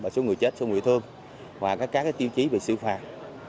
số người chết số người thương và các tiêu chí về xử phạt